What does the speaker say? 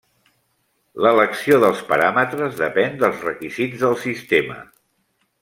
L'elecció dels paràmetres depèn dels requisits del sistema.